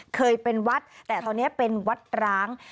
เคยเป็นวัดแต่ตอนนี้เป็นวัดร้าง